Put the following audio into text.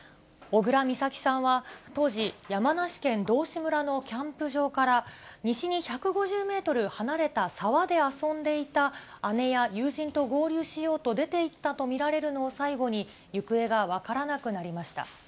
小倉美咲さんは当時、山梨県道志村のキャンプ場から、西に１５０メートル離れた沢で遊んでいた姉や友人と合流しようと出ていったと見られるのを最後に、行方が分からなくなりました。